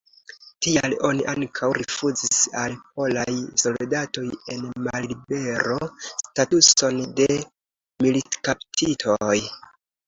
Tial oni ankaŭ rifuzis al polaj soldatoj en mallibero statuson de militkaptitoj.